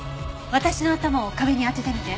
私の頭を壁に当ててみて。